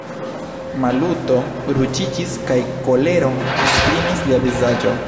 Maluto ruĝiĝis, kaj koleron esprimis lia vizaĝo.